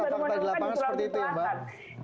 tentang tentang di lapangan seperti itu mbak